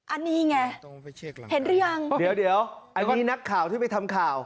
อันนี้ไงเห็นหรือยังเดี๋ยวอันนี้นักข่าวที่ไปทำข่าว